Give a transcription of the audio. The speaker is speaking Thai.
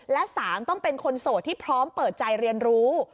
และ๓ต้องเป็นคนโสดที่พร้อมเปิดใจเรียนรู้